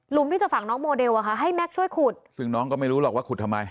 ที่จะฝังน้องโมเดลอะค่ะให้แก๊กช่วยขุดซึ่งน้องก็ไม่รู้หรอกว่าขุดทำไม